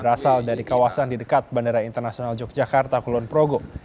berasal dari kawasan di dekat bandara internasional yogyakarta kulon progo